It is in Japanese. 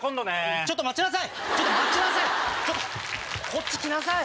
ちょっと待ちなさい！